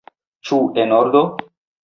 Ĉu en ordo?